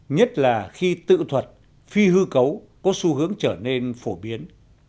nhất là khi tự thuật phi hư cấu có xu hướng trở nên phổ biến